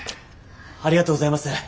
ありがとうございます！